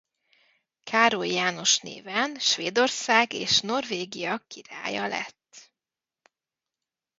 Károly János néven Svédország és Norvégia királya lett.